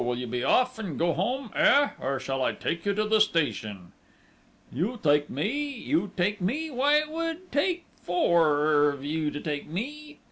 Will you be off, and go home?... Eh!... Or shall I take you to the station?..." "You take me?... You take me?... Why, it would take four of you to take me!..."